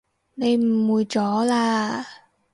你誤會咗喇